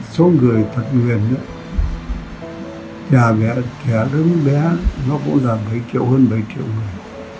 số người thật nguyền trẻ đứa bé nó cũng là bảy triệu hơn bảy triệu người